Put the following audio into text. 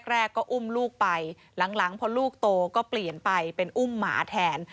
แรกก็อุ้มลูกไปหลังพอลูกโตก็เปลี่ยนไปเป็นอุ้มหมาแทน